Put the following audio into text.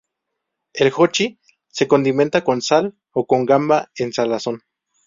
El "jochi" se condimenta con sal o con gamba en salazón.